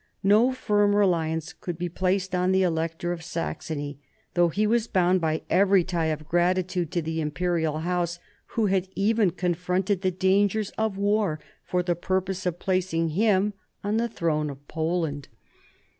No firm reliance could be placed on the Elector of Saxony, though he was bound by every tie of gratitude to the Imperial House, who had even confronted the dangers of war for the purpose of placing him on the throne of Poland.